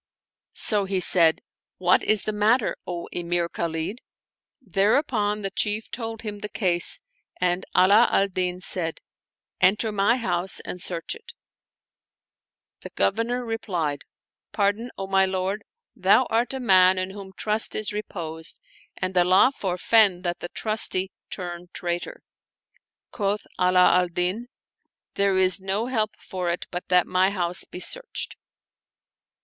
So he said, " What is the matter, O Emir Khalid?" Thereupon the Chief told him the case and Ala al Din said, " Enter my house and search it" The Governor replied, " Pardon, O my lord ; thou art a man in whom trust is reposed and Allah forfend that the trusty turn traitor !" Quoth Ala al Din, " There is no help for it but that my house be searched."